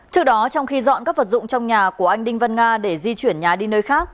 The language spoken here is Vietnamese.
trước đó trong khi dọn các vật dụng trong nhà của anh đinh văn nga để di chuyển nhà đi nơi khác